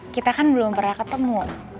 kita kan belum pernah ketemu